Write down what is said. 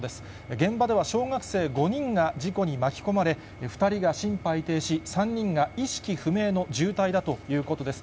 現場では小学生５人が事故に巻き込まれ、２人が心肺停止、３人が意識不明の重体だということです。